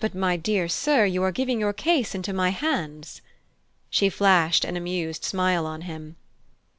But, my dear sir, you are giving your case into my hands!" She flashed an amused smile on him.